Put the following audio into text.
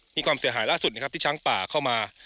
นี่ความเสียหายล่าสุดนะครับที่ช้างป่าเข้ามา